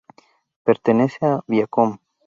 Pertenece a Viacom.